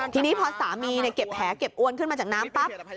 ทีนี้พอสามีเก็บแหเก็บอวนขึ้นมาจากน้ำปั๊บ